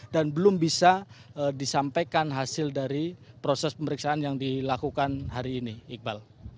dan belum bisa disampaikan hasil dari proses pemeriksaan yang dilakukan hari ini iqbal